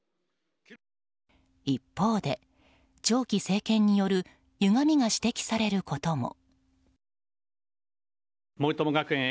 一方で長期政権による歪みが指摘されることも。